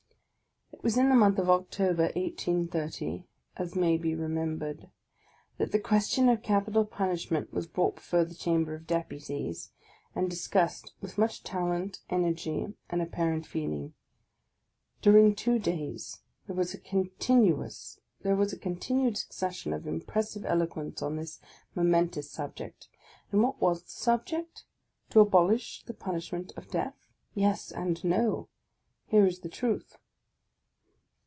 It was in the month of October, 1830, as may be remem bered, that the question of capital punishment was brought before the Chamber of Deputies, and discussed with much talent, energy, and apparent feeling. During two days there was a continued succession of impressive eloquence on this momentous subject; and what was the subject? — to abolish the punishment of death? Yes and No! Here is the truth.